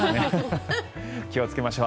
気をつけましょう。